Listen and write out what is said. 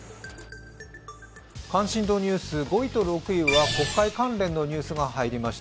関心度ニュース、５位と６位は国会関連のニュースが入りました。